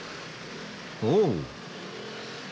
おう！